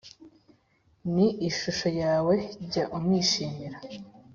ni ishusho yawe jya umwishimira